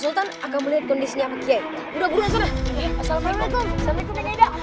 sultan akan melihat kondisinya begitu udah udah selama itu assalamualaikum